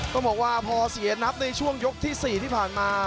ต้องบอกว่าพอเสียนับในช่วงยกที่๔ที่ผ่านมา